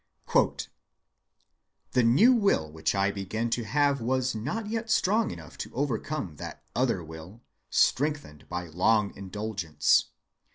"The new will which I began to have was not yet strong enough to overcome that other will, strengthened by long indulgence.